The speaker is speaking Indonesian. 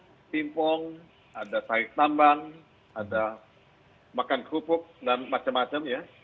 ada simpong ada sayur tambang ada makan kerupuk dan macam macam ya